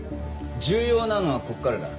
重要なのはここからだ。